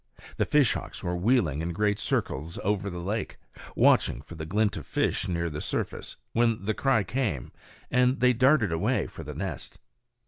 The fishhawks were wheeling in great circles over the lake, watching for the glint of fish near the surface, when the cry came, and they darted away for the nest.